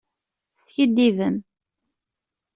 Teskiddibem.